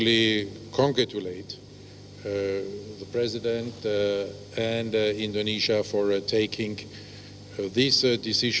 saya mengucapkan terima kasih kepada presiden dan indonesia untuk memiliki keputusan ini